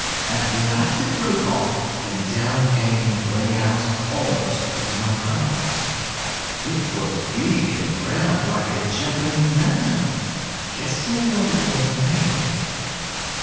At last it broke off, and down came the gray house almost into my arms. "It was big and round, like a Japanese lantern. Guess of what it was made?